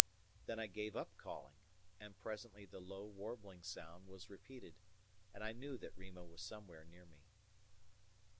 Then I gave up calling; and presently the low, warbling sound was repeated, and I knew that Rima was somewhere near me.